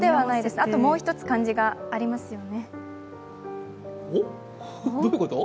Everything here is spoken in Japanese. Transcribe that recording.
あともう１つ漢字がありますよね。